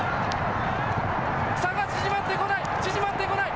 差が縮まってこない。